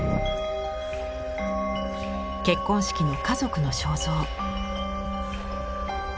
結婚式の家族の肖像。